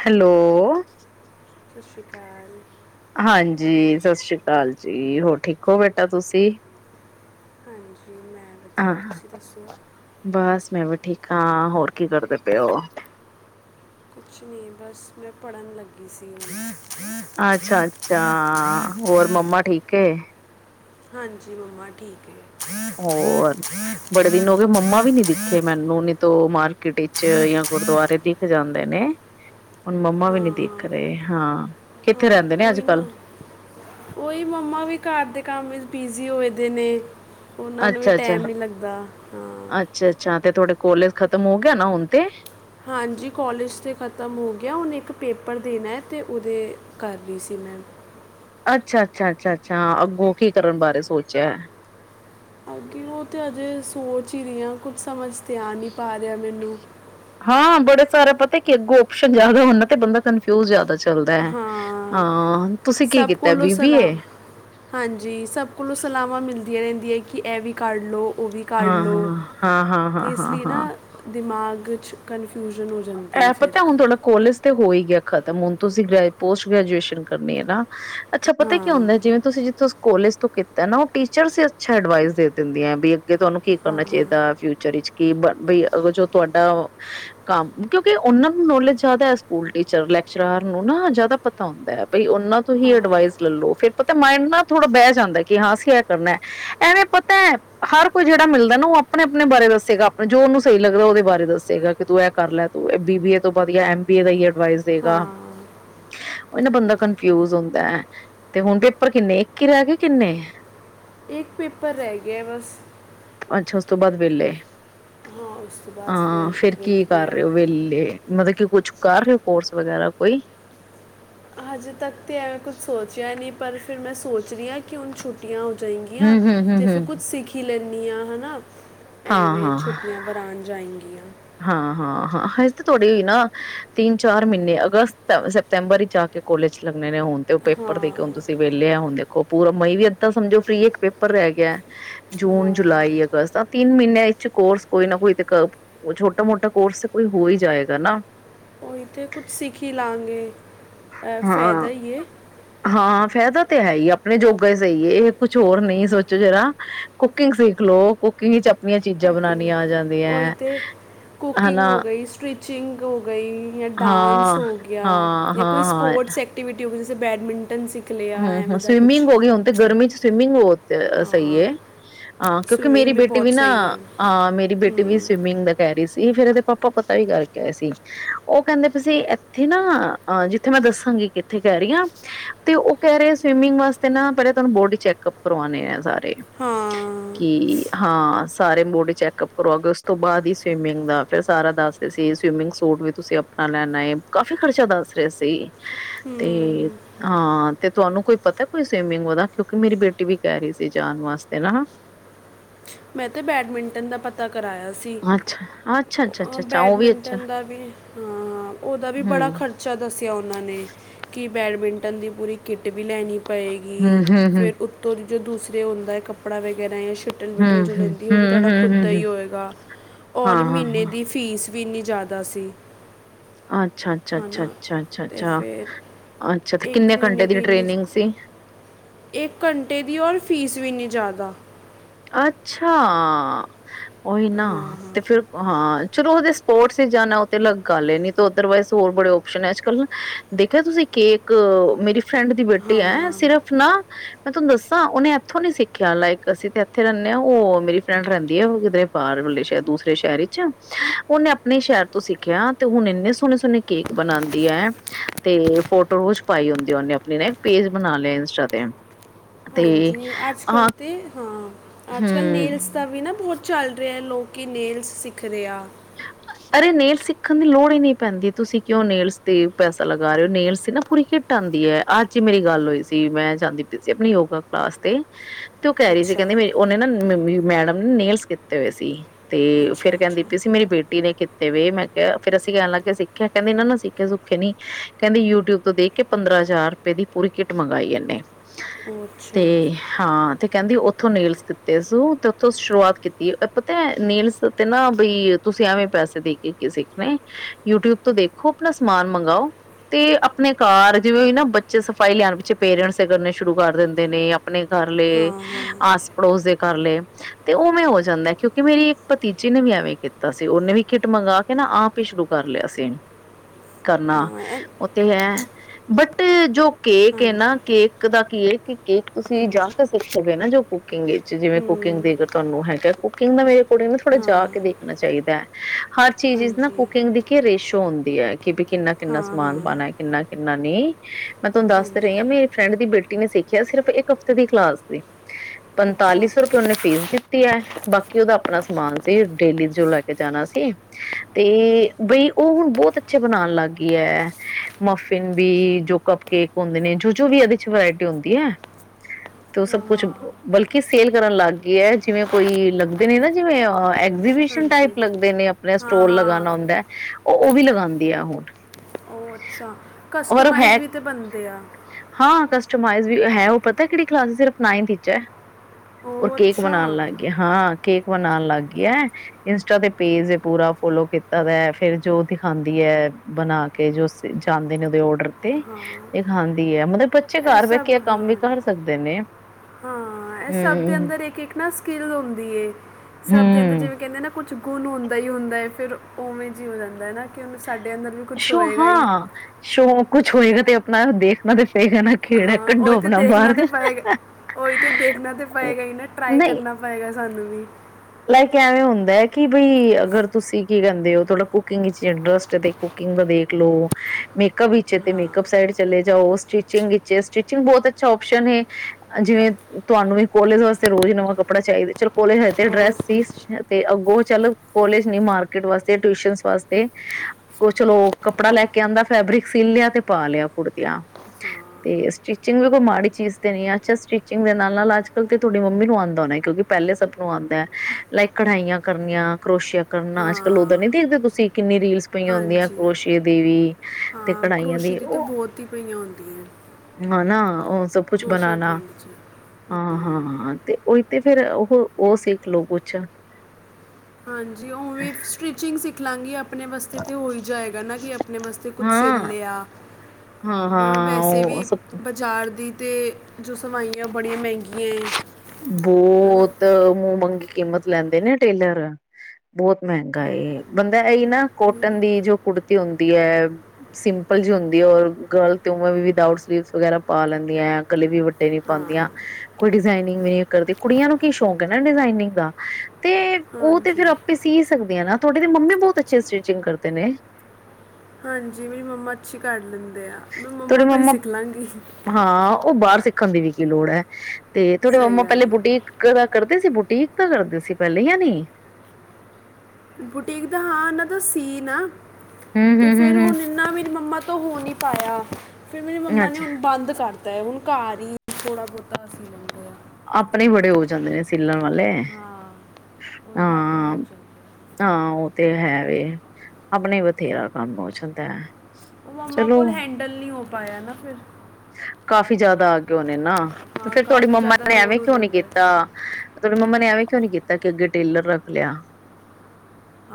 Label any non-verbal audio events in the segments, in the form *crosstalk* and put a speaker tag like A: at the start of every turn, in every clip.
A: Hello
B: ਸਤਿ ਸ਼੍ਰੀ ਅਕਾਲ।
A: ਹਾਂਜੀ ਸਤਿ ਸ੍ਰੀ ਅਕਾਲ ਜੀ ਹੋਰ ਠੀਕ ਹੋ ਬੇਟਾ ਤੁਸੀਂ।
B: ਹਾਂਜੀ ਮੈਂ
A: ਹਾਂ
B: ਵਧੀਆ ਤੁਸੀਂ ਦੱਸੋ
A: ਬਸ ਮੈਂ ਵੀ ਠੀਕ ਆ ਹੋਰ ਕੀ ਕਰਦੇ ਪਏ ਓ?
B: ਕੁਛ ਨਹੀਂ ਬਸ ਮੈਂ ਪੜ੍ਹਨ ਲੱਗੀ ਸੀ।
A: ਅੱਛਾ-ਅੱਛਾ ਹੋਰ ਮੰਮਾ ਠੀਕ ਏ।
B: ਹਾਂਜੀ ਮੰਮਾ ਠੀਕ ਏ।
A: ਹੋਰ ਬੜੇ ਦਿਨ ਹੋ ਗਏ ਮੰਮਾ ਵੀ ਨੀ ਦਿਖੇ ਮੈਨੂੰ ਨੀ ਦੋ ਮੰਥ *unintelligible* ਯਾ ਗੁਰਦੁਆਰੇ ਦੀ ਜਾਂਦੇ ਨੇ, ਹੁਣ ਮੰਮਾ ਵੀ ਨੀ ਦੇਖ ਰਹੇ ਹਾਂ ਕਿੱਥੇ ਰਹਿੰਦੇ ਨੇ ਅੱਜ-ਕੱਲ।
B: ਓਹੀ ਮੰਮਾ ਵੀ ਘਰ ਦੇ ਕੰਮ ਵਿਚ ਬੀਜ਼ੀ ਹੋਏ ਦੇ ਨੇ। ਉਹਨਾਂ ਨੂੰ ਵੀ
A: ਅੱਛਾ ਅੱਛਾ
B: ਟਾਈਮ ਨਹੀਂ ਲੱਗਦਾ ਹਾਂ।
A: ਅੱਛਾ ਅੱਛਾ ਤੇ ਤੁਹਾਡੇ ਕੋਲੇਜ ਖਤਮ ਹੋ ਗਿਆ ਨਾ ਹੁਣ ਤੇ?
B: ਹਾਂਜੀ ਕੋਲਜ ਤੇ ਖ਼ਤਮ ਹੋ ਗਿਆ ਹੁਣ ਇੱਕ ਪੇਪਰ ਦੇਣਾ ਹੈ ਤੇ ਉਹਦੇ ਕਰ ਰਹੀ ਸੀ ਮੈਂ।
A: ਅੱਛਾ-ਅੱਛਾ-ਅੱਛਾ-ਅੱਛਾ ਅੱਗੋਂ ਕੀ ਕਰਨ ਬਾਰੇ ਸੋਚਿਆ ਹੈ।
B: ਅੱਗੇ ਉਹ ਤੇ ਅਜੇ ਸੋਚ ਹੀ ਰਹੀ ਹਾਂ ਕੁੱਛ ਸਮਝ ਤੇ ਆ ਨਹੀਂ ਪਾ ਰਿਹਾ ਮੈਨੂੰ।
A: ਸਾਰਾ ਪਤਾ ਕਿ ਅੱਗੋਂ ਓਪਸ਼ਨ ਜ਼ਿਆਦਾ ਹੋਣ ਨਾ ਤੇ ਬੰਦਾ ਕਨਫਉਂਜ਼ ਜ਼ਿਆਦਾ ਚੱਲਦਾ ਹੈ।
B: ਹਾਂ
A: ਹਾਂ ਤੁਸੀਂ ਕੀ
B: ਸਭ
A: ਕੀਤਾ
B: ਕੋਲੋਂ
A: ਬੀ ਬੀ
B: ਸਲਾ,
A: ਏ
B: ਹਾਂਜੀ ਸਭ ਕੋਲੋਂ ਸਲਾਹਾਂ ਮਿਲਦੀਆਂ ਦੀ ਹੈ ਕਿ ਇਹ ਵੀ ਕਰ ਲਉ ਉਹ ਵੀ ਕਰ
A: ਹਾਂ
B: ਲਓ
A: ਹਾਂ ਹਾਂ
B: ਤੇ
A: ਹਾਂ ਹਾਂ
B: ਇਸ
A: ਹਾਂ
B: ਲਈ
A: ਹਾਂ
B: ਨਾ ਦਿਮਾਗ ਕਫਿਊਜ।
A: ਇਹ ਪਤਾ ਹੁਣ ਤੁਹਾਡਾ ਕੋਲਜ ਤੇ ਹੋਈ ਖਤਮ ਹੁਣ ਤੁਸੀਂ ਪੋਸਟ ਗ੍ਰੈਜੂਏਸ਼ਨ ਕਰਨੀ ਹੈ ਨਾ। ਅੱਛਾ ਪਤਾ ਕੀ
B: ਹਾਂ
A: ਹੁੰਦਾ ਜਿਵੇਂ ਤੁਸੀਂ ਜਿੱਥੋਂ ਕੋਲੇਜ ਤੋਂ ਕੀਤਾ ਨਾ ਉਹ ਟੀਚਰਸ ਹੀ ਅੱਛਾ ਐਡਵਾਈਸ ਦੇ ਦਿੰਦੀ ਹੈ ਵੀ ਅੱਗੇ ਤੁਹਾਨੂੰ ਕੀ ਕਰਨਾ ਚਾਹੀਦਾ ਫਿਊਚਰ ਕੀ ਬ ਬਈ ਅਗਰ ਜੋ ਤੁਹਾਡਾ ਕੰਮ ਕਿ ਉਹਨਾਂ ਨੂੰ ਨੌਲੇਜ ਜ਼ਿਆਦਾ ਸਕੂਲ ਟੀਚਰ ਲੈਕਚਰਾਰ ਨੂੰ ਨਾ ਜ਼ਿਆਦਾ ਪਤਾ ਹੁੰਦਾ ਬ ਉਹਨਾਂ ਤੋਂ ਹੀ ਅਡਵਾਈਸ ਲੈ ਲੋ ਫਿਰ ਪਤਾ ਮਾਇੰਡ ਨਾ ਥੋੜਾ ਬਹਿ ਜਾਂਦਾ ਕਿ ਹਾਂ ਅਸੀਂ ਇਹ ਕਰਨਾ ਐਵੇਂ ਪਤਾ ਹੈ ਹਰ ਕੋਈ ਜਿਹੜਾ ਮਿਲਦਾ ਨਾ ਉਹ ਆਪਣੇ ਆਪਣੇ ਬਾਰੇ ਦੱਸੇਗਾ ਆਪ ਜੋ ਉਹਨੂੰ ਸਹੀ ਲੱਗਦਾ ਉਹਦੇ ਬਾਰੇ ਦੱਸੇਗਾ ਕਿ ਤੂੰ ਇਹ ਕਰ ਲੈ। ਤੂੰ ਬੀਬੀ ਏ ਤੋਂ ਬਾਦ ਐਮ ਬੀ ਏ ਦਾ ਹੀ ਅਡਵਾਸ ਦੇਗਾ
B: ਹਾਂ
A: ਬੰਦਾ ਕਨਫਿਊਜ ਹੁੰਦਾ ਹੈ ਤੇ ਹੁਣ ਪੇਪਰ ਕਿੰਨੇ ਇੱਕ ਹੀ ਰਹਿ ਗੇ ਕਿੰਨੇ।
B: ਇੱਕ ਪੇਪਰ ਰਹਿ ਗਿਆ ਬਸ।
A: ਅੱਛਾ ਉਸ ਤੋਂ ਬਾਅਦ ਵਿਹਲੇ।
B: ਹਾਂ ਉਸ ਤੋਂ ਬਾਅਦ ਫਿਰ ਦੇਖ ਦੇ ਆ।
A: ਵੇਲੇ ਮਤਲਬ ਕਿ ਕੁੱਛ ਕਰ ਰਹੇ ਹੋ ਕੋਰਸ ਵਗੈਰਾ ਕੋਈ।
B: ਅਜੇ ਤੱਕ ਤਾਂ ਐਵੇਂ ਕੁੱਛ ਸੋਚਿਆ ਹੀ ਨਹੀਂ ਪਰ ਫਿਰ ਮੈਂ ਸੋਚ ਰਹੀ ਹਾਂ। ਕਿ ਹੁਣ ਛੁੱਟੀਆਂ ਹੋ ਜਾਏਗੀਆਂ
A: ਹੂੰ ਹੂੰ ਹੂੰ
B: ਤੇ
A: ਹੂੰ
B: ਫਿਰ ਕੁੱਛ ਸਿੱਖ ਹੀ ਲੈਂਦੇ। ਹੈ ਨਾ
A: ਹਾਂ
B: ਐਵੇਂ
A: ਹਾਂ
B: ਛੁੱਟੀਆਂ ਬਰਾਉਣ ਜਾਏਗੀਆਂ
A: ਹਾਂ ਹਾਂ ਹਾਂ ਹੋਏ ਤਾਂ ਤੁਹਾਡੀ ਹੈ ਨਾ ਤੀਨ ਚਾਰ ਮਹੀਨੇ ਅਗਸਤ ਸਤੰਬਰ ਚ ਆ ਕੇ ਕਾਲਜ ਲੱਗਣੇ ਨੇ ਹੁਣ। ਪੇਪਰ ਦੇਕੇ ਹੁਣ ਤੁਸੀਂ ਵੇਲੇ ਹੁਣ। ਅਸੀਂ ਗੋਲੀਬਾਰੀ ਠੀਕ ਹੋ ਜਾਣਾ ਕਪੂਰ ਮਈ ਵੀ ਅੱਧਾ ਸਮਝੋ ਫਰੀ ਇੱਕ ਪੇਪਰ ਰਹਿ ਗਿਆ ਜੂਨ, ਜੁਲਾਈ, ਅਗਸਤ ਇਹ ਤੀਨ ਮਹੀਨੇ ਚ ਕੋਰਸ ਕੋਈ ਨਾ ਕੋਈ ਤੇ ਕਰੋ। ਓਹ ਛੋਟਾ ਮੋਟਾ ਕੋਰਸ ਕੋਈ ਹੋਈ ਜਾਏਗਾ ਨਾ।
B: ਉਹ ਇੱਥੇ ਕੁਛ ਸਿੱਖ ਹੀ ਲਾਂਗੇ। ਇਹ ਫੈਦਾ
A: ਹਾਂ।
B: ਈ ਐ
A: ਹਾਂ ਫਾਇਦਾ ਤੇ ਹੈ ਹੀ ਆਪਣੇ ਜੋਗਾ ਈ ਸਹੀ ਹੈ, ਇਹ ਕੁਛ ਹੋਰ ਨਹੀਂ ਸੋਚੋ ਜਰਾ ਕੁਕਿੰਗ ਸਿੱਖ ਲੋੋ ਕੁਕਿੰਗ ਵਿੱਚ ਅਪ-
B: ਕੁਕਿੰਗ ਉਹੀ ਤੇ ਕੁਕਿੰਗ
A: ਹਨਾ।
B: ਹੋ ਗਈ ਸਟਿਚਿੰਗ ਹੋ ਗਈ ਜਾਂ ਡਾਂਸ
A: ਹਾਂ,
B: ਹੋ ਗਿਆ।
A: ਹਾਂ,
B: ਜੇ ਕੋਈ ਸਪੋਰਟਸ ਐਕਟੀਵਟੀ ਹੋਵ ਦ ਬੈਡਮਿੰਟ
A: ਹੂੰ- ਹੂੰ ਸਵਿਮਿੰਗ ਹੋ ਗਈ ਹੁਣ ਤੇ ਗਰਮੀ ਚ ਸਵੀਮਿੰਗ ਬਹੁਤ ਸਹੀ ਏ। ਹਾਂ, ਕਿਉਂਕਿ ਮੇਰੀ ਬੇਟੀ ਵੀ ਨਾ ਅ ਮੇਰੀ ਬੇਟੀ ਵੀ ਸਵੀਮਿੰਗ ਦਾ ਕਹਿ ਰਹੀ ਸੀ। ਮੇਰੇ ਤਾਂ ਪਾਪਾ ਪਤਾ ਹੀ ਕਰਕੇ ਆਏ ਸੀ, ਓਹ ਕਹਿੰਦੇ ਪਏ ਸੀ ਇੱਥੇ ਨਾ ਜਿੱਥੇ ਮੈਂ ਦੱਸਾਂਗੀ ਕਿੱਥੇ ਕਹਿ ਰੀ ਆਂ। ਤੇ ਉਹ ਕਹਿ ਰਹੇ ਸੀ ਸਵਿਮਿੰਗ ਵਾਸਤੇ ਨਾ ਪਹਿਲਾਂ ਤੁਹਾਨੂੰ ਬੋਡੀ ਚੈਕ ਅਪ ਕਰਵਾਉਣੇ ਆ ਸਾਰੇ ਕੀ ਹਾਂ ਸਾਰੇ ਬੋਡੀ ਚੈੱਕ ਅਪ ਕਰਾਓਗੇ, ਉਸ ਤੋਂ ਬਾਅਦ ਹੀ ਸਵੀਮਿੰਗ ਦਾ ਫਿਰ ਸਾਰਾ ਦਸਦੇ ਸੀ ਕੀ ਸਵਿਮਿੰਗ ਸੂਟ ਆਪਣਾ ਲੈਣਾ ਏ ਕਾਫੀ ਖਰਚਾ ਦੱਸ ਰਹੇ ਸੀ ਤੇ ਹਾਂ, ਤੇ ਤੁਹਾਨੂੰ ਕੋਈ ਪਤਾ ਕੋਈ ਸਵੀਮਿੰਗ ਉਹਦਾ ਕਿਉਂਕਿ ਮੇਰੀ ਬੇਟੀ ਵੀ ਕਹਿ ਰਹੀ ਸੀ ਜਾਣ ਵਾਸਤੇ ਨਾ
B: ਮੈਂ ਤੇ ਬੈਡਮਿੰਟਨ ਦਾ ਪਤਾ ਕਰਾਇਆ ਸੀ
A: ਅੱਛਾ ਅੱਛਾ ਅੱਛਾ ਅੱਛਾ ਅੱਛਾ ਉਹ ਵੀ ਅੱਛਾ
B: ਬੈਡਮਿੰਟਨ ਦਾ ਵੀ ਹਾਂ ਉਹਦਾ ਵੀ ਬੜਾ
A: ਹਮ
B: ਖਰਚਾ ਦੱਸਿਆ ਉਹ ਉਹਨਾਂ ਨੇ ਕੀ ਬੈਡਮਿੰਟਨ ਦੀ ਪੂਰੀ ਕਿੱਟ ਵੀ ਲੈਣੀ ਪਏਗੀ
A: ਹਮ ਹਮ
B: ਫਿਰ ਉੱਤੋਂ ਦੀ ਜੋ ਦੂਸਰੇ ਹੁੰਦਾ ਹੈ ਕੱਪੜਾ ਵਗੈਰਾ ਜਾਂ ਸ਼ਟ ਉਹ ਜੋ
A: ਹਮ ਹਮ
B: ਵੀ
A: ਹਮ
B: ਲੈਂਦੀ ਹੋਵੇ ਓਹ
A: ਹਮ ਹਮ
B: ਤੁਹਾਡਾ ਖੁਦ ਦਾ
A: ਹਮ ਹਮ
B: ਈ ਹੋਏਗਾ
A: ਹਾਂ
B: ਔਰ
A: ਹਾਂ
B: ਮਹੀਨੇ ਦੀ
A: ਹਾਂ
B: ਫੀਸ ਵੀਨੀ ਜ਼ਾਦਾ ਸੀ।
A: ਅੱਛਾ- ਅੱਛਾ,
B: ਹੈ
A: ਅੱਛਾ-
B: ਨਾ
A: ਅੱਛਾ, ਅੱਛਾ-
B: ਅਤੇ
A: ਅੱਛਾ,
B: ਫਿਰ
A: ਆ ਤੇ
B: ਇੱਕ
A: ਕਿੰਨੇ ਘੰਟੇੇ
B: ਮਹੀਨੇ
A: ਦੀ
B: ਇੰਨੀ
A: ਟਰੇਨਿੰਗ ਸੀ।
B: ਇੱਕ ਘੰਟੇ ਦੀ ਔਰ ਫੀਸ ਵੀ ਨੀ ਜ਼ਿਆਦਾ -
A: ਅੱਛਾ, ਉਹੀ ਨਾ
B: ਹਾਂ
A: ਤੇ ਫਿਰ ਹਾਂ ਚਲੋ ਉਹਦੇ ਸਪੋਰਟਸ ਚ ਜਾਣਾ ਉਹ ਤੇ ਅਲੱਗ ਗੱਲ ਹੈ ਨੀ ਤੋ ਅਦਰਵਾਈਜ ਹੋਰ ਬੜੇ ਆਪਸ਼ਨ ਆ ਅੱਜ ਕੱਲ ਨਾ ਦੇਖਿਆ ਤੁਸੀਂ ਕੇਕ ਮੇਰੀ ਫਰੈਂਡ ਦੀ ਬਰਡੇ
B: ਹਾਂ
A: ਐ
B: ਹਾਂ
A: ਸਿਰਫ ਨਾ ਤੁਹਾਨੂੰ ਮੈਂ ਦੱਸਾਂ ਓਹਨੇ ਇੱਥੋਂ ਨੀ ਸਿੱਖਿਆ ਲਾਇਕ ਅਸੀਂ ਤਾਂ ਜਿੱਥੇ ਰਹਿਨੇ ਆ ਉਹ ਮੇਰੀ ਫਰੈਂਡ ਰਹਿੰਦੀ ਐ ਓਹ ਕਿਤੇ ਬਾਹਰ ਵਾਲੀ ਦੂਸਰੇ ਸ਼ਹਿਰ ਵਿੱਚ ਉਹਨੇ ਆਪਣੇ ਸ਼ਹਿਰ ਚੋ ਸਿੱਖਿਆ ਹੁਣ ਇਨੇ ਸੋਹਣੇ ਸੋਹਣੇ ਕੇਕ ਬਣਾਉਂਦੀ ਹੈ ਤੇ ਫੋਟੋਜ਼ ਪਾਈ ਹੁੰਦੀ ਐ ਹੁਣ ਆਪਣੇ ਉਹਨੇ ਪੇਜ ਬਣਾ ਲੇ ਇੰੰਸਟਾ ਤੇ ਤੇ
B: ਹਾਂਜੀ, ਅੱਜ ਕੱਲ
A: ਹਾਂ
B: ਤੇ ਹਾਂ ਹਾਂ, ਅੱਜ ਕੱਲ੍ਹ ਨੇਲਸ
A: ਹਮ
B: ਦਾ ਵੀ ਬਹੁ ਚੱਲ ਰਿਹਾ ਲੋਕੀ ਨੇਲਸ ਸਿੱਖ ਰਿਹਾ।
A: ਅਰੇ ਨੇਲ ਸਿੱਖਣ ਦੀ ਲੋੜ ਈ ਨੀ ਪੈਂਦੀ, ਤੁਸੀਂ ਕਿਉਂ ਨੇਲਸ ਤੇ ਪੈਸਾ ਲਗਾ ਰਹੇ ਓ ਨੇਲਸ ਦੀ ਨਾ ਪੂਰੀ ਕਿਟ ਆਂਦੀ ਐ ਅੱਜ ਮੇਰੀ ਗੱਲ ਹੋਈ ਸੀ ਮੈੰ ਜਾਂਦੀ ਪਈ ਸੀ ਆਪਣੀ ਜੋਗਾ ਕਲਾਸ ਤੇ ਤੇ ਉਹ ਕਹਿ ਰਹੀ ਸੀ
B: ਅੱਛਾ
A: ਕਹਿੰਦੀ ਮ ਉਹਨੇ ਨਾ ਮ ਮੇਰੀ ਮੈਡਮ ਨੇ ਨੇਲਸ ਕੀਤੇ ਹੋਏ ਸੀ। ਤੇ
B: ਅੱਛਾ
A: ਫਿਰ ਕਹਿੰਦੀ
B: ਅੱਛਾ
A: ਮੇਰੀ ਬੇਟੀ ਨੇ ਕੀਤੇ ਵੇ ਮੈਂ ਕਿਹਾ ਫੇਿਰ ਅਸੀਂ ਕਹਿਣ ਲੱਗੇ ਸਿੱਖਿਆ ਕਹਿੰਦੇ ਨਾ ਸਿੱਖਿਆ ਸੁਖੇ ਨੀ ਕਹਿੰਦੀ ਯੂਟਿਊਬ ਤੋਂ ਦੇਖ ਕੇ ਪੰਦਰਾਂ ਹਜ਼ਾਰ ਰੁਪਏ ਦੀ ਪੂਰੀ ਕਿੱਟ ਮੰਗਾਈ ਇਹਨੇ
B: ਉਹ ਅੱਛਾ
A: ਤੇ ਹਾਂ ਥੇ ਕਹਿੰਦੀ ਉੱਥੋਂ ਨੇਲਸ ਦਿੱਤੇ ਸੀ ਤੇ ਉੱਥੋਂ ਸ਼ੁਰੂਆਤ ਕੀਤੀ ਪਤਾ ਹੈ ਨੇਲਸ ਤੇ ਨਾ ਬਈ ਤੁਸੀਂ ਐਵੇਂ ਪੈਸੇ ਦੇ ਕੇ ਕੀ ਸਿੱਖਣੇ ਯੂਟਿਊਬ ਤੋਂ ਦੇਖੋ ਆਪਣਾ ਸਮਾਨ ਮੰਗਵਾਓ ਤੇ ਆਪਣੇ ਕਾਰ ਜਿਵੇਂ ਨਾ ਬੱਚੇ ਸਫ਼ਾਈ ਲਿਆਉਣ ਪਿੱਛੇ ਪੇਰੈਂਟਸ ਕਰਨੇ ਸ਼ੁਰੂ ਕਰ ਦਿੰਦੇ ਨੇ ਆਪਣੇ ਘਰ ਲਏ
B: ਹਾਂ ਹਾਂ
A: ਆਸ ਪੜੋਸ ਦੇ ਕਰ ਲਏ ਤੇ ਉਹਵੇੈਂ ਹੋ ਜਾਂਦਾ ਕਿਉਂਕਿ ਮੇਰੀ ਇੱਕ ਭਤੀਜੀ ਨੇ ਵੀ ਐਵੇ ਹੀ ਕੀਤਾ ਸੀ ਉਹਨੇ ਵੀ ਕਿੱਟ ਮੰਗਾ ਕੇ ਨਾ ਆਪ ਹੀ ਸ਼ੁਰੂ ਕਰ ਲਿਆ ਸੀਨ ਕਰਨਾ
B: ਹਾਂ ਐ
A: ਉਹ ਤੇ ਹੈ ਬਟ ਜੋ ਕੇਕ ਐ ਨਾ
B: ਹਾਂਜੀ
A: ਕੇਕ ਕੇਕ ਦਾ ਕੀਏ ਕਿ ਕੇਕ ਤੁਸੀਂ ਜਾ
B: ਹਾਂਜੀ
A: ਕੇ ਸਿੱਖ ਸਕਦੇ ਹੋ ਨਾ ਜੋ ਕੁਕਿੰਗ ਵਿੱਚ ਜਿਵੇਂ ਕੁਕਿੰਗ
B: ਹੂੰ
A: ਦੀ ਤੁਹਾਨੂੰ ਹੈਗਾ ਕੁਕਿੰਗ ਦਾ ਮੇਰੇ ਕੋ, ਥੋੜਾ
B: ਹਾਂ
A: ਜਾ ਕੇ ਦੇਖ ਰੱਖਣਾ ਚਾਹੀਦਾ ਹੈ ਹਰ ਚੀਜ਼ ਵਿਚ ਨਾ
B: ਹਾਂਜੀ
A: ਕੁਕਿੰਗ ਦੀ ਰੇਸ਼ ਡੂਢ ਦੀ ਹੈ ਕਿ ਵੀ ਕਿੰਨਾ ਕਿੰਨਾ
B: ਹਾਂ
A: ਸਮਾਨ ਪਾਉਣਾ ਕਿੰਨਾ ਕਿੰਨਾ ਨਹੀਂ ਮੈਂ ਤੁਹਾਨੂੰ ਦੱਸ ਰ
B: ਹਾਂਜੀ
A: ਹਾਂ ਮੇਰੀ ਫਰਡ ਦੀ ਬੇਟੀ ਟੀ ਨੇ ਸਿੱਖਿਆ ਸਿਰਫ ਇੱਕ ਹਫ਼ਤੇ ਦੀ ਕਲਾਸ ਸੀ ਪੰਤਾਲੀ
B: ਅੱਛਾ
A: ਸੌ ਰੁਪਏ ਉਹਨੇ ਫੀਸ ਦਿੱਤੀ ਹੈ ਬਾਕੀ ਉਹਦਾ ਆਪਣਾ
B: ਅੱਛਾ
A: ਸਮਾਨ ਸੀ ਡੇਲੀ ਜੋ ਲੈ ਕੇ ਜਾਣਾ ਸੀ ਤੇ ਬਈ ਉਹ ਹੁਣ ਬਹੁਤ ਅੱਛਾ ਬਣਾਉਣ ਲੱਗ ਗਈ ਹੈ ਮਫਿਨ
B: ਅੱਛਾ
A: ਵੀ ਜੋ ਕਪ ਕੇਕ ਹੁੰਦੇ ਨੇ ਜੋ ਜੋ ਵੀ ਇਹਦੇ ਚ ਵਰਾਇਟੀ ਹੁੰਦੀ ਹੈ ਤੇ ਉਹ ਸਭ
B: ਹਾਂ
A: ਕੁਛ
B: ਹਾਂ
A: ਬਲਕਿ ਸੇਲ ਕਰਨ ਲੱਗ ਗਈ ਹੈ ਜਿਵੇਂ ਕੋਈ ਲੱਗਦੇ ਨੇ ਨਾ ਜਿਵੇ ਐਗਜੀਬਿਸ਼ਨ
B: ਹਾਂਜੀ
A: ਟਾਈਪ ਲੱਗਦੇ ਨੇ ਆਪਣੇ
B: ਹਾਂ
A: ਸਟੋਲ ਲਗਾਉਣਾ
B: ਹਾਂ
A: ਹੁੰਦਾ ਉਹ ਉਹ ਵੀ ਲਗਾਉਂਦੀ ਆ ਹੁਣ
B: ਉਹ ਅੱਛਾ
A: ਔਰ ਹੈ
B: ਕਸਟਮਾਈਜ਼ ਵੀ ਤਾਂ ਬਣਦੇ ਆ
A: ਕਸਟ ਮਾਈਜ਼ ਹੈ, ਉਹ ਪਤਾ ਕਿਹੜੀ ਕਲਾਸ ਸਿਰਫ ਨਾਈਨਥ ਹੈ ਔਰ
B: ਉਹ
A: ਕੇਕ
B: ਅੱਛਾ
A: ਬਣਾਉਣ ਲੱਗ ਗਏ ਹਾਂ ਕੇਕ ਬਣਾਉਣ ਲੱਗ ਗਈ ਐ ਇੰਸਟਾ ਤੇ ਪੇਜ ਪੂਰਾ ਫੋਲੋ ਕੀਤਾ ਦਾ ਫੇਰ ਜੋ ਦਿਖਾਉਂਦੀ ਹੈ ਬਣਾ ਕੇ ਜੋ ਜਾਂਦੇ ਨੇ ਉਹਦੇ ਔਡਰ ਤੇ
B: ਹਾਂ
A: ਦਿਖਾਂਦੀ ਐ ਮਤਲਬ ਬੱਚੇ
B: ਇਹ
A: ਘਰ ਬਹਿ ਕੇ
B: ਸਭ ਹਾਂ
A: ਕੰਮ ਵੀ ਕਰ ਸਕਦੇ ਨੇ
B: ਹਾਂ ਇਹ ਸਭ ਦੇ
A: ਹੂੰ
B: ਅੰਦਰ ਇੱਕ ਇੱਕ ਨਾ ਸਕਿੱਲ ਹੁੰਦੀ ਹੈ ਸਭ ਦੇ ਅੰਦਰ
A: ਹੂੰ
B: ਜਿਵੇਂ ਕਹਿੰਦੇ ਨਾ ਕੁਛ ਗੁਣ ਹੁੰਦਾ ਹੀ ਹੁੰਦਾ ਹੈ ਫਿਰ ਉਵੇਂ ਜਿ ਹੋ ਜਾਂਦਾ ਹੈ ਨਾ ਕਿ ਉਹਨੂੰ ਸਾਡੇ ਅੰਦਰ ਵੀ ਕੁਝ
A: ਸ਼ੋ
B: ਹੋਏਗਾ ਹੀ
A: ਹਾਂ ਸ਼ੋ ਕੁਛ ਹੋਏਗਾ ਤੇ ਆਪਣਾ ਦੇਖਣਾ ਦੇ
B: ਹਾਂ ਉਹੀ ਤੇ ਦੇਖਣਾ ਤੇ ਪਏਗਾ ਉਹੀ ਤੇ ਦੇਖਣਾ ਤੇ ਪਏਗਾ ਹੀ ਨਾ ਟਰਾਈ ਕਰਨਾ ਪਏਗਾ। ਸਾਨੂੰ ਵੀ
A: ਲਾਇਕ ਐਵੇਂ ਹੁੰਦਾ ਹੈ ਕਿ ਬ ਅਗਰ ਤੁਸੀਂ ਕੀ ਕਹਿੰਦੇ ਹੋ ਥੋਾ ਕੁਕਿੰਗ ਵਿਚ ਇੰਟਰਸਟ ਹੈ ਕੁਕਿੰਗ ਦਾ ਦੇਖ ਲੋੋ ਮੇਕਅਪ ਵਿਚ ਮੇਕਅਪ ਸਾਈਡ ਚਲੇ ਜਾਓ ਸਟਿਚਿੰਗ ਵਿਚ ਸਟਿਚਿੰਗ ਬਹੁਤ ਅਛਾ ਹੈ ਜਿਵੇ ਤੁਹਾਨੂੰ ਕੋਾਲਜ ਵਾਸਤੇ ਰੋ ਨਵਾਂ ਕੱਪੜਾ ਚਾਹੀਦਾ। ਚਲ ਕਾਲਜ ਹਜੇ ਤੇ
B: ਹੋਰ
A: ਡਰੈਸ ਤੇ ਅੱਗੋਂ ਚਲ ਕਾਲਜ ਨੀ ਮਾਰਕੀਟ ਵਾਸਤੇ ਟਿਸ਼ਨ ਵਾਸਤੇ ਚਲੋ ਕੱਪੜਾ ਲੈਕੇ ਆਦਾ ਫੈਬਰਿਕ ਸੀਲ ਲਿਆ ਤੇ ਪਾ ਲਿਆ ਕੁੜਤੀਆਂ ਤੇ ਸਟਿਚਿੰਗ ਵੀ ਕੋਈ ਮਾੜੀ ਚੀਜ਼ ਤੇ ਨੀ ਅੱਛਾ ਸਟਿਚਿੰਗ ਦੇ ਨਾਲ ਨਾਲ ਅੱਜ ਕਲ ਤੇ ਤੁਹਾਡੀ ਮੰਮੀ ਨੂੰ ਆਦਾ ਹੋਣਾ ਕਿਉਂਕਿ ਪਹਿਲੇ ਸਭ ਨੂੰ ਆਦਾ ਹੈ। ਲਾਈਕ ਕਢਾਈਆਂ ਕਰਨੀਆਂ ਕਰੋਸ਼ਆ ਕਰਨਾ ਅੱਜ ਕੱਲ ਓਦਾਂ
B: ਹਾਂ
A: ਨੀ ਦੇਖਦੇ ਤੁਸੀਂ ਕਿੰਨੀ ਰੀਲਸ ਪਈ ਹੁੰਦੀਆਂ
B: ਹਾਂਜੀ
A: ਕਰੋਸ਼ੇ ਦੀ ਵੀ ਤੇ
B: ਹਾਂ
A: ਕੜਾਹੀਆਂ
B: ਕਰੋਸ਼ੀ
A: ਦੀ
B: ਤੇ
A: ਉਹ
B: ਬਹੁਤ ਹੀ ਪਈਆਂ ਹੁੰਦੀਆਂ
A: ਹਨਾ। ਉਹ ਸਭ ਕੁਛ
B: ਕਰੋਸ਼ੀਆ
A: ਬਨਾਨਾ
B: ਟ੍ਰੈਂਡ 'ਚ
A: ਹਾਂ। ਹਾਂ ਤੇ ਉਹੀ ਤੇ ਫੇਰ ਉਹ ਉਹ ਸਿਖ ਲੋ ਕੁਛ
B: ਹਾਂਜੀ ਉਹ ਵੀ ਸਟਿਚਿੰਗ ਸਿੱਖ ਲਾਂਗੀ ਆਪਾਂ। ਆਪਣੇ ਵਾਸਤੇ ਤਾਂ ਹੋ ਹੀ ਜਾਏਗਾ ਨਾ ਕਿ ਆਪਣੇ ਵਾਸਤੇ ਕੁਝ ਸਿੱਲ ਲਿਆ।
A: ਹਾਂ
B: ਨਾ
A: ਹਾਂ
B: ਵੈਸੇ
A: ਉਹ
B: ਵੀ
A: ਸਭ
B: ਬਾਜ਼ਾਰ ਦੀ ਅਤੇ ਜੋ ਸਵਾਈਆਂ ਉਹ ਬੜੀਆਂ ਮਹਿੰਗੀਆਂ ਹੈ। ਨਾ
A: ਬਹੁਤ ਮੂੰਹ ਮੰਗੀ ਕੀਮਤ ਲੈਂਦੇ ਨੇ ਟੇਲਰ ਬਹੁਤ ਮਹਿੰਗਾ ਏ। ਬੰਦਾ ਇਹੀ ਨਾ ਕੋਟਨ ਦੀ ਜੋ ਕੁੜਤੀ ਹੁੰਦੀ ਹੈ ਸਿੰਪਲ ਜਿਹੀ ਹੁੰਦੀ ਔਰ ਗਰਲ ਤੇ ਉੰਵੇ ਵੀ ਵਿਦਾਊਟ ਸਲੀਵਸ ਵਗੈਰਾ ਪਾ ਲੈਂਦੀਆਂ ਹੈ ਗਲੇ ਵੀ ਵੱਡੇ ਨੀ ਪਾਉਂਦੀਆਂ ਕੋਈ ਡਿਜ਼ਾਇਨਿੰਗ ਨੀ ਕਰਦੀ ਕੁੜੀਆਂ ਨੂੰ ਕੀ ਸ਼ੌਂਕ ਹੈ ਨਾ ਡਿਜ਼ਾਇਨਿੰਗ ਦਾ। ਤੇ ਉਹ ਤੇ
B: ਹਾਂਜੀ
A: ਫਿਰ ਆਪੇ ਸੀ ਸਕਦੇ ਹਾ ਨਾ। ਤੁਹਾਡੇ ਤੇ ਮੰਮੀ ਬਹੁਤ ਅੱਛੇ ਸਟੀਚਿੰਗ ਕਰਦੇ ਨੇ।
B: ਹਾਂਜੀ ਮੇਰੀ ਮੰਮਾ ਅੱਛੀ ਕਰ ਲੈਂਦੇ। ਆ ਮੈਂ ਮੰਮਾ ਤੋਂ ਹੀ ਸਿੱਖ ਲਾਂਗੀ।
A: ਹਾਂ ਉਹ ਬਾਹਰ ਸਿੱਖਣ ਦੀ ਵੀ ਕੀ ਲੋੜ ਹੈ। ਤੇ ਤੁਹਾਡੇ
B: ਸਹੀ
A: ਮੰਮਾ ਪਹਿਲੇ
B: ਗੱਲ ਹੈ
A: ਬੁਟੀਕ ਦਾ ਕਰਦੇ ਸੀ ਬੁਟੀਕ ਬੁਟੀਕ ਦਾ ਕਰਦੇ ਸੀ ਪਹਿਲੇ ਯਾ ਨਹੀਂ।
B: ਬੁਟੀਕ ਦਾ ਹਾਂ ਇਹਨਾਂ ਦਾ ਸੀਨ ਆ।
A: ਹਮ
B: ਤੇ
A: ਹਮ
B: ਫੇਰ
A: ਹਮ ਹਮ
B: ਹੁਣ ਇਨਾ ਵੀ ਮੰਮਾ ਤੋਂ ਹੋ ਨਹੀਂ ਪਾਇਆ। ਫਿਰ ਮੇਰੀ ਮੰਮਾ ਨੇ
A: ਅੱਛਾ
B: ਹੁਣ ਬੰਦ ਕਰਤਾ। ਤੇ ਹੁਣ ਘਰ ਹੀ ਥੋੜ੍ਹਾ ਬਹੁਤਾ ਸੀ ਲੈਂਦੇ ਆ।
A: ਆਪਣੇ ਬੜੇ ਹੋ ਜਾਂਦੇ ਨੇ ਸਿੱਲਣ ਵਾਲੇ
B: ਹੁਣ ਤਾ ਆਪਣੇ
A: ਹਾਂ
B: ਹੀ ਕਰਦੇ ਆ।
A: ਹਾਂ ਉਹ ਤੇ ਹੈ ਵੇ ਆਪਣੇ ਈ ਬਥੇਰਾ ਕੰਮ ਹੋ ਜਾਂਦਾ ਹੈ।
B: ਉਹ ਮੰਮਾ
A: ਚਲੋ
B: ਕੋਲ ਹੈਂਡਲ ਨਹੀਂ ਹੋ ਪਾਇਆ ਨਾ ਫਿਰ।
A: ਕਾਫੀ ਜ਼ਿਆਦਾ ਆ ਗਏ ਹੋਣੇ ਨਾ। ਤੇ
B: ਹਾਂ
A: ਫੇਰ ਤੁਹਾਡੀ
B: ਕਾਫੀ
A: ਮੰਮਾ
B: ਜ਼ਿਆਦਾ
A: ਨੇ
B: ਲੋਡ
A: ਐਵੇਂ
B: ਹੋ
A: ਕਿਉਂ ਨੀ
B: ਜਾਂਦਾ ਹੈ
A: ਕੀਤਾ ਤੁਹਾਡੀ ਮੰਮਾ ਐਵੇਂ ਕਿਉਂ ਨੀ ਕੀਤਾ ਕਿ ਅੱਗੇ ਟੇਲਰ ਰੱਖ ਲਿਆ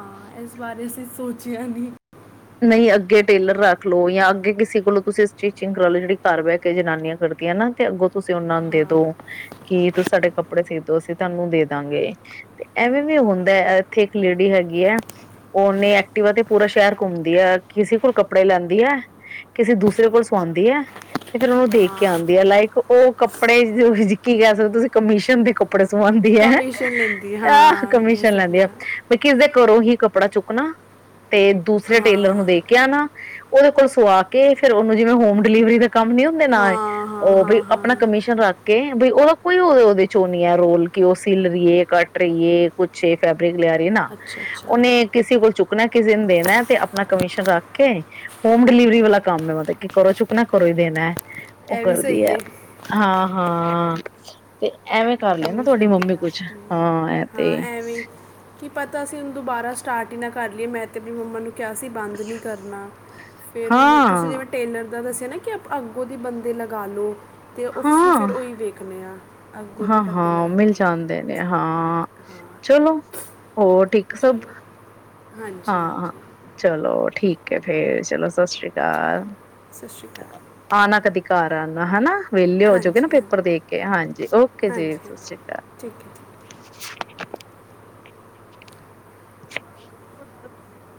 B: ਹਾਂ ਇਸ ਬਾਰੇ ਅਸੀਂ ਸੋਚਿਆ ਨਹੀਂ
A: ਨਹੀਂ ਅੱਗੇ ਟੇਲਰ ਰੱਖ ਲੋ ਜਾਂ ਅੱਗੇ ਕਿਸੇ ਕੋਲੋਂ ਤੁਸੀਂ ਸਟੀਚਿੰਗ ਕਰਾਲੋ ਜਿਹੜੀ ਘਰ ਬਹਿ ਕੇ ਜਨਾਨੀਆਂ ਕਰਦੀਆਂ ਨਾ ਤੇ ਅੱਗੋਂ ਤੁਸੀਂ ਉਹਨਾ ਨੂੰ ਦੇ ਦੋ
B: ਹਾਂ
A: ਕਿ ਤੁਸੀਂ ਸਾਡੇ ਕੱਪੜੇ ਸੀ ਦੋ ਅਸੀਂ ਤੁਹਾਨੂੰ ਦੇ ਦਾਂਗੇ ਤੇ ਐਵੇਂ ਵੀ ਹੁੰਦਾ ਇੱਥੇ ਇੱਕ ਲੇਡੀ ਹੈਗੀ ਆ ਉਹਨੇ ਐਕਟਿਵਾ ਤੇ ਪੂਰਾ ਸ਼ਹਿਰ ਘੁੰਮਦੀ ਆ ਕਿਸੇ ਕੋਲ ਕੱਪੜੇ ਲੈਂਦੀ ਹੈ ਕਿਸੇ ਦੂਸਰੇ ਕੋਲ
B: ਅੱਛਾ
A: ਸਵਾਉਂਦੀ ਹੈ ਤੇ ਫੇਰ ਉਹਨੂੰ ਦੇ ਕੇ ਆਉਂਦੀ
B: ਹਾਂ
A: ਆ ਲਾਈਕ ਉਹ ਕੱਪੜੇ ਕੀ ਕਹਿ ਸਕਦੇ ਤੁਸੀਂ ਕਮਿਸ਼ਨ ਦੇ ਕ ਕੱਪੜੇ ਸਵਾਉਂਦੀ ਹੈ ਹਾ
B: ਕਮਿਸ਼ਨ ਲੈਂਦੀ
A: ਹਾ ਆਹ
B: ਹਾਂ ਕਹਿ
A: ਕਮਿਸ਼ਨ ਲੈਂਦੀ
B: ਸਕਦੇ
A: ਆ
B: ਹਾਂ
A: ਮੈਂ ਕਿਹਾ ਇਸ ਦੇ ਘਰੋਂ ਹੀ ਕੱਪੜਾ ਚੁੱਕਣਾ ਤੇ ਤੇ ਟੇਲਰ ਨੂੰ
B: ਹਾਂ
A: ਦੇ ਕੇ ਆਨਾ ਉਹਦੇ ਕੋਲ ਸਵਾ ਕੇ ਫੇਰ ਉਹਨੂੰ ਜਿਵੇਂ ਹੋਮ ਡਿਲੀਵਰੀ ਦਾ ਕੰਮ ਨੀ ਹੁੰਦੇ ਨਾ
B: ਹਾਂ ਹਾਂ
A: ਉਹ ਵੀ
B: ਹਾਂ ਹਾਂ
A: ਆਪਣਾ ਕਮਿਸ਼ਨ ਰੱਖ ਕੇ ਬਈ ਉਹਦਾ ਕੋਈ ਉਹਦੇ ਚੋਂ ਨੀ ਹੈ ਰੋਲ ਕਿ ਉਹ ਸਿਲ ਰਹੀਏ ਕੱਟ ਰਹੀ ਏ ਕੁਛ ਏ ਫੈਬ ਰਿਕ ਲਿਆ ਰਹੀ ਹੈ ਨਾ
B: ਅੱਛਾ ਅੱਛਾ
A: ਉਹਨੇ ਕਿਸੇ ਕੋਲ ਚੁੱਕ ਨਾ ਕਿਸੇ ਨੂੰ ਦੇਣਾ ਤੇ ਆਪਣਾ ਕਮਿਸ਼ਨ ਰੱਖ ਕੇ ਹੋਮ ਡਿਲੀਵਰੀ ਵਾਲਾ ਕੰਮ ਹੈ ਮਤਲਬ ਕਿ ਘਰੋਂ ਚੁੱਕਣਾ ਘਰੋਂ ਹੀ ਦੇਣਾ ਹੈ ਉਹ
B: ਇਹ ਵੀ
A: ਕਰਦੀ ਹੈ
B: ਸਹੀ
A: ਹਾਂ ਹਾਂ ਹਾਂ ਐਵੇਂ ਕਰ ਲਿਆ ਨਾ ਤੁਹਾਡੀ
B: ਕਮਿਸ਼ਨ ਤੇ
A: ਮੰਮੀ
B: ਆ
A: ਕੁਛ
B: ਹਮ,
A: ਹਾਂ ਐ ਤੇ
B: ਹਾਂ ਐਵੇਂ ਕੀ ਪਤਾ ਅਸੀਂ ਉਹਨੂੰ ਦੁਬਾਰਾ ਸਟਾਰਟ ਹੀ ਨਾ ਕਰ ਲਈਏ ਮੈਂ ਤਾਂ ਆਪਰੀ ਮੰਮਾ ਨੂੰ ਕਿਆ ਸੀ ਬੰਦ ਨਹੀਂ ਕਰਨਾ ਫਿਰ ਤੁਸੀਂ
A: ਹਾਂ
B: ਜਿਵੇਂ ਟੇਲਰ ਦਾ ਦਸਯਅ ਕੀ ਅਪਾ ਅੱਗੋਂ ਦੇ ਬੰਦੇ ਲਗਾ ਲਉ ਤੇ ਉਸਸੀ
A: ਹਾਂ
B: ਫਿਰ ਉਹਈ ਵੇਖਦਨੇ ਹਾਂ ਅੱਗ ਉਹਦੀ
A: ਹਾਂ ਮਿਲ ਜਾਂਦੇ ਨੇ ਹਾਂ ਹਾਂ
B: ਹਾਂ
A: ਚਲੋ ਹੋਰ ਠੀਕ ਸਭ
B: ਚਲੋ ਹਾਂਜੀ
A: ਹਾਂ ਹਾਂ
B: ਹਾਂਜੀ
A: ਚਲੋ ਠੀਕ ਚਲੋ ਸਤਿ ਸ੍ਰੀ
B: ਠੀਕ
A: ਅਕਾਲ
B: ਹੈ ਸਤਿ ਸ਼੍ਰੀ ਅਕਾਲ
A: ਆ ਨਾ ਕਦੀ ਘਰ ਹੈ ਨਾ ਵੇਲੇ ਹੋ ਜਾਓਗੇ ਨਾ
B: ਹਾਂਜੀ
A: ਪੇਪਰ
B: ਹਾਂਜੀ
A: ਦੇ ਕੇ। ਹਾਂਜੀ, ਓਕੇ ਜੀ
B: ਹਾਂਜੀ
A: ਸਤਿ
B: ਹਾਂਜੀ
A: ਸ਼੍ਰੀ ਅਕਾਲ
B: ਠੀਕ ਹੈ ਜੀ
A: *inaudible*